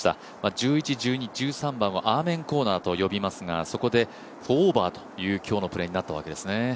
１１、１２、１３はアーメンコーナーと呼びますがそこで４オーバーという今日のプレーになったというわけです。